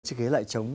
chị ghé lại chống